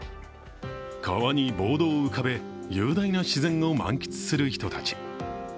川にボードを浮かべ雄大な自然を満喫する人たち。